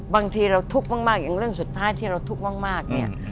บางทีเราทุกข์มากอย่างเรื่องสุดท้ายที่เราทุกข์มากเนี่ย